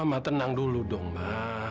mama tenang dulu dong ma